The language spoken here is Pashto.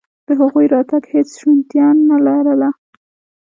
د هغوی راتګ هېڅ شونتیا نه لرله.